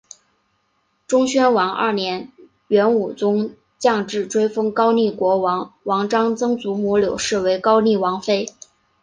忠宣王二年元武宗降制追封高丽国王王璋曾祖母柳氏为高丽王妃。